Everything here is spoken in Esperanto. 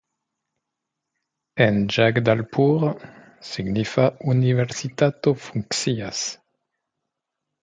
En Ĝagdalpur signifa universitato funkcias.